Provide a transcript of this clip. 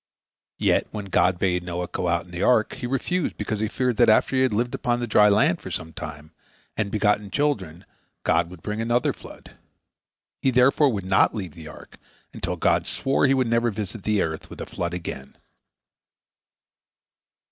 Yet, when God bade Noah go out of the ark, he refused, because he feared that after he had lived upon the dry land for some time, and begotten children, God would bring another flood. He therefore would not leave the ark until God swore He would never visit the earth with a flood again.